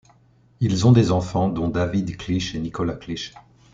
Ils ont des enfants, dont David Cliche et Nicolas Cliche.